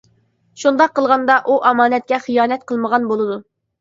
شۇنداق قىلغاندا ئۇ ئامانەتكە خىيانەت قىلمىغان بولىدۇ.